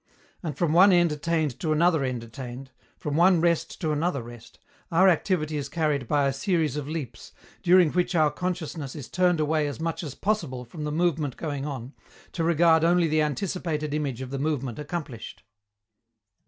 And, from one end attained to another end attained, from one rest to another rest, our activity is carried by a series of leaps, during which our consciousness is turned away as much as possible from the movement going on, to regard only the anticipated image of the movement accomplished.